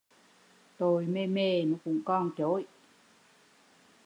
Tội mề mề mà cũng còn chối